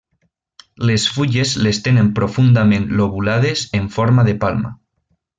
Les fulles les tenen profundament lobulades en forma de palma.